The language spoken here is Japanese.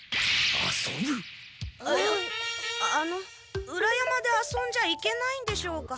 ああの裏山で遊んじゃいけないんでしょうか？